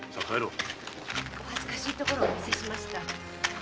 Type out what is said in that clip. お恥ずかしいところをお見せしました。